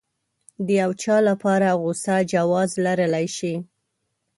د يو چا لپاره غوسه جواز لرلی شي.